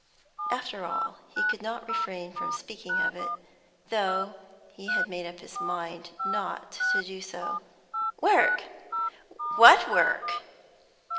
After all, he could not refrain from speaking of it, though he had made up his mind not to do so. "Work? What work?"